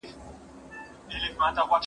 که علمي فقر وي، نو مادي پرمختګ ناشونی دی.